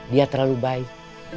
dia terlalu baik